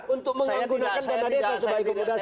untuk menggunakan dana desa sebagai komoditas